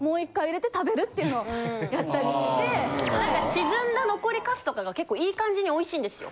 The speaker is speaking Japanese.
沈んだ残りカスとかが結構いい感じに美味しいんですよ。